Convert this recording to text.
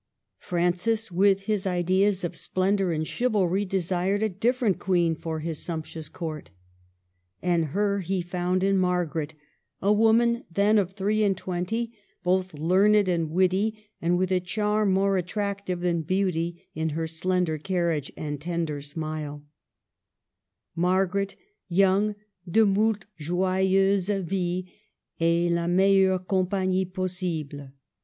Francis, with his ideas of splendor and chivalry, desired a different queen for his sumptuous court. And her he found in Margaret, a woman then of three and twenty, both learned and witty, and with a charm more attractive than beauty in her slen der carriage and tender smile, — Margaret, young, " de moult joyeuse vie, et la meilleure com pagnie possible."